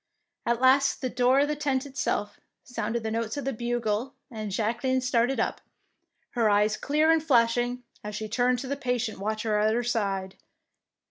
At last, at the door of the tent itself, sounded the notes of the bugle, and Jacqueline started up, her eyes clear and flashing, as she turned to the patient watcher at her side.